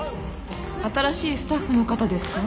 新しいスタッフの方ですか？